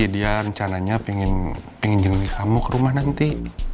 dia rencananya pengen jenuh kamu ke rumah nanti